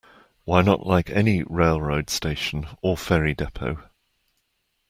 Why not like any railroad station or ferry depot.